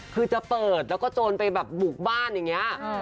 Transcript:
คือจะเปิดแล้วก็โจรไปแบบบุกบ้านอย่างนี้